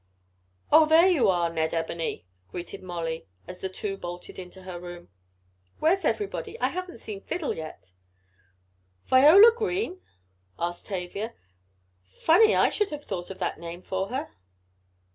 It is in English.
"Oh, there you are, Ned Ebony," greeted Molly as the two bolted into her room. "Where's everybody. I haven't seen Fiddle yet." "Viola Green?" asked Tavia. "Funny I should have thought of that name for her."